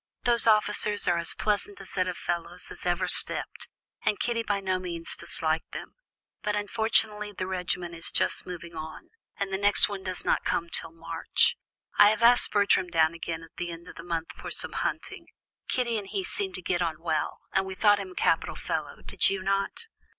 Those officers are as pleasant a set of fellows as ever stepped, and Kitty by no means disliked them; but unfortunately the regiment is just moving on, and the next one does not come till March. I have asked Bertram down again at the end of the month for some hunting; Kitty and he seemed to get on well, and we thought him a capital fellow, did you not?"